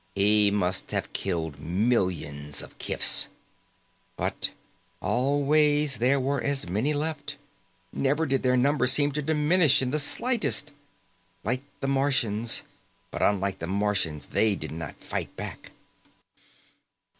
He must have killed millions of kifs. But always there were as many left. Never did their number seem to diminish in the slightest. Like the Martians but unlike the Martians, they did not fight back.